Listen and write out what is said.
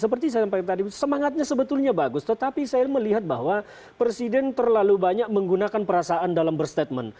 seperti saya sampaikan tadi semangatnya sebetulnya bagus tetapi saya melihat bahwa presiden terlalu banyak menggunakan perasaan dalam berstatement